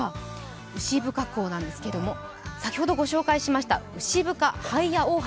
牛深港ですが先ほどご紹介しました牛深ハイヤ大橋。